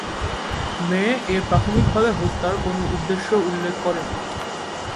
মেয়ে এ প্রাথমিকভাবে হত্যার কোন উদ্দেশ্য উল্লেখ করেনি।